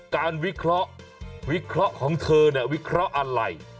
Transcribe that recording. วิเคราะห์วิเคราะห์ของเธอเนี่ยวิเคราะห์อะไร